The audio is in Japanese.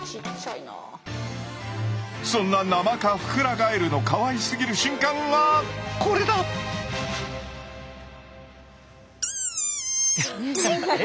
そんなナマカフクラガエルのかわいすぎる瞬間がこれだ！え？